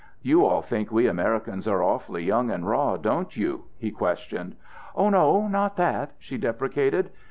"You all think we Americans are awfully young and raw, don't you?" he questioned. "Oh, no, not that," she deprecated.